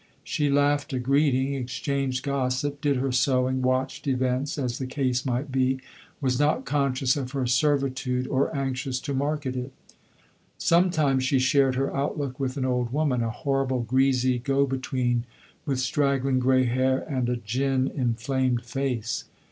She laughed a greeting, exchanged gossip, did her sewing, watched events, as the case might be, was not conscious of her servitude or anxious to market it. Sometimes she shared her outlook with an old woman a horrible, greasy go between, with straggling grey hair and a gin inflamed face.